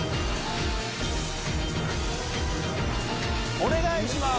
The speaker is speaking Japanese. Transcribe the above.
お願いします！